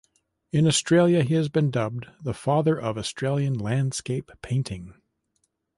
In Australia he has been dubbed "the father of Australian landscape painting".